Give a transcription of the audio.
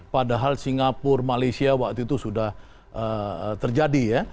padahal singapura malaysia waktu itu sudah terjadi ya